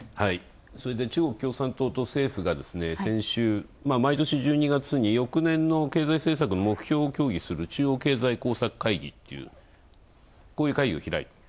それで中国共産党と政府が毎年１２月に翌年の経済政策の目標を協議する中央経済工作会議っていう、こういう会議を開く。